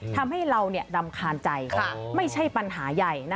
ทำให้เราเนี่ยดำคาญใจไม่ใช่ปัญหาใหญ่นะ